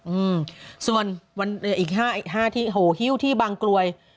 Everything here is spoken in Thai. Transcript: อืมส่วนอีก๕ที่โหฮิวที่บางกลวย